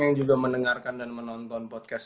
yang juga mendengarkan dan menonton podcast